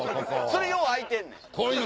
それよう開いてんねん。